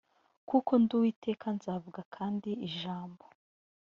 kuko ndi uwiteka nzavuga kandi ijambo